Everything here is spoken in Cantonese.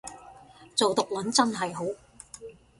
做毒撚真係好